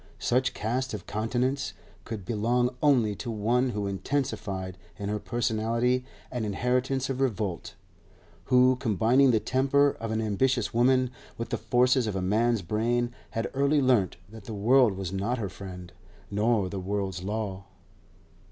Such cast of countenance could belong only to one who intensified in her personality an inheritance of revolt; who, combining the temper of an ambitious woman with the forces of a man's brain, had early learnt that the world was not her friend nor the world's law.